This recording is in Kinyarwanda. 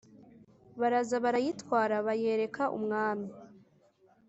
Baraza, barayitwara, bayereka umwami.